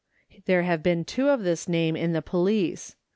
There have been two of this name in the police.